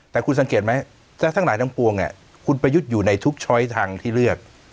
แต่คุณสังเกตไหมทั้งหลายทั้งปวงคุณประยุทธ์อยู่ในทุกช้อยทางที่เลือก